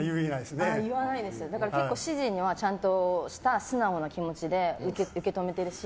結構、指示にはちゃんとした素直な気持ちで受け止めてるし。